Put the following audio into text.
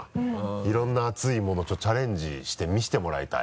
いろんな熱いものチャレンジして見せてもらいたい。